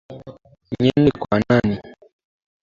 Niende kwa nani?